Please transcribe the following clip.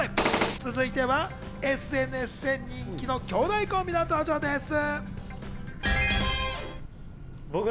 続いてはＳＮＳで人気の兄弟コンビの登場です。